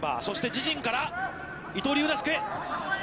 そして自陣から、伊藤龍之介。